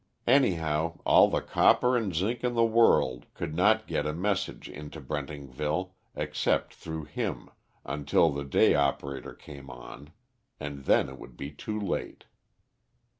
Anyhow all the copper and zinc in the world could not get a message into Brentingville, except through him, until the day operator came on, and then it would be too late.